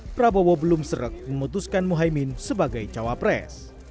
prabowo belum seret memutuskan mohaimin sebagai cawapres